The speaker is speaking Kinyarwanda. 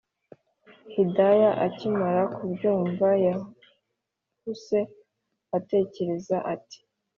hidaya akimara kubyumva yahuse atekereza ati